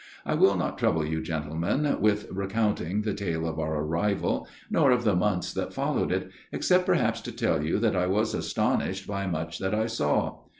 I will not trouble you, gentlemen, with recounting the tale of our arrival, nor of the months that followed it, except perhaps to tell you that I was astonished by much that I saw.